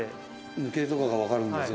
抜けとかが分かるんだ全部。